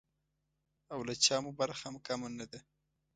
او له چا مو برخه هم کمه نه ده.